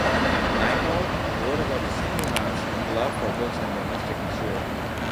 Naipaul, wrote about Simbhoonath's love for books in The Mystic Masseur.